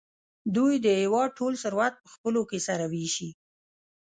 دوی د هېواد ټول ثروت په خپلو کې سره وېشي.